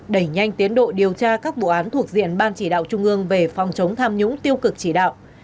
đẩy nhanh tiến độ điều tra các vụ án thuộc diện ban chỉ đạo trung ương về phòng chống tham nhũng tiêu cực chỉ đạo